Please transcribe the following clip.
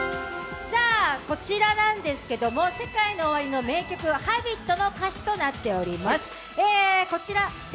こちらなんですけれどもＳＥＫＡＩＮＯＯＷＡＲＩの名曲「Ｈａｂｉｔ」の歌詞となっております。